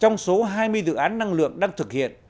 trong số hai mươi dự án năng lượng đang thực hiện